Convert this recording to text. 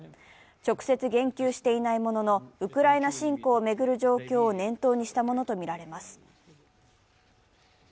直接言及していないもののウクライナ侵攻を巡る状況を念頭にしたものとみられます。